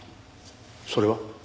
それは？